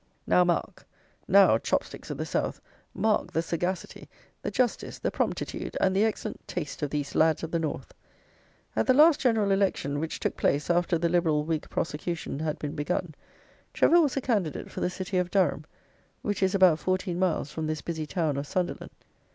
Now, mark; now, chopsticks of the South, mark the sagacity, the justice, the promptitude, and the excellent taste of these lads of the North! At the last general election, which took place after the "liberal Whig prosecution" had been begun, Trevor was a candidate for the city of Durham, which is about fourteen miles from this busy town of Sunderland.